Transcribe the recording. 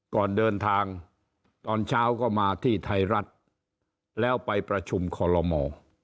ก่อนเดินทางตอนเช้าก็มาที่ไทยรัฐแล้วไปประชุมคอลโลมอ